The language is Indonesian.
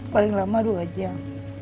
paling lama dua jam